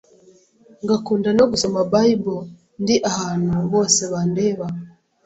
ngakunda no gusoma Bible ndi ahantu bose bandeba